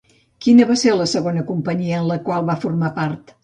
Quina va ser la segona companyia en la qual va formar part?